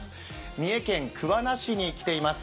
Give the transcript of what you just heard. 三重県桑名市に来ています。